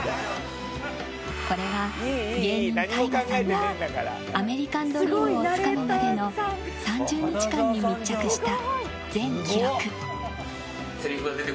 これは芸人ＴＡＩＧＡさんがアメリカンドリームをつかむまでの３０日間に密着した全記録。